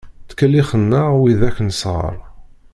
Ttkellixen-aɣ wid-ak nesɣeṛ.